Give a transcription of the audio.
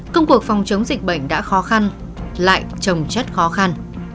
công cuộc phòng chống dịch bệnh đã khó khăn lại trồng chất khó khăn